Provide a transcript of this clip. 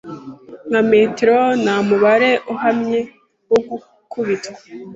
nka metero Nta mubare uhamye wo gukubitwa